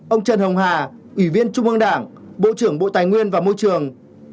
một mươi hai ông trần hồng hà ủy viên trung ương đảng bộ trưởng bộ tài nguyên và môi trường